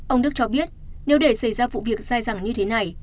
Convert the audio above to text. ông đức cho biết nếu để xảy ra vụ việc sai rằng như thế này